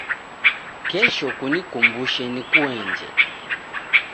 Kesho kunikumbushe nikuenje